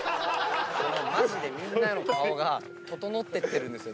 マジでみんなの顔が整ってってるんですよ